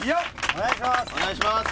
お願いします。